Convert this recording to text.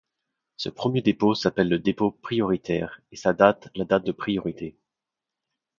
Ce premier dépôt s'appelle le dépôt prioritaire, et sa date la date de priorité.